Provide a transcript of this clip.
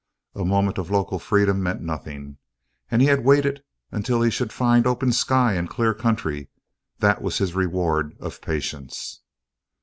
A moment of local freedom meant nothing, and he had waited until he should find open sky and clear country; this was his reward of patience.